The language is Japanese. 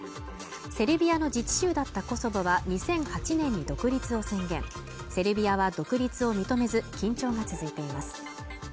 セルビアの自治州だったコソボは２００８年に独立を宣言セルビアは独立を認めず緊張が続いています